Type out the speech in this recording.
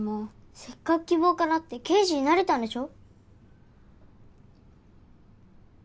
せっかく希望叶って刑事になれたんでしょ。